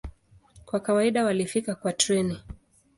Kwa kawaida walifika kwa treni.